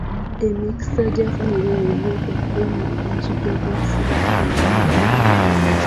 Emikisa gya famire yonna okulwala omusujja gw'ensiri giri waggulu.